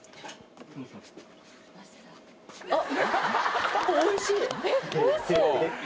あっ！